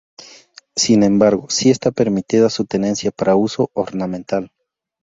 Sin embargo, sí está permitida su tenencia para uso ornamental.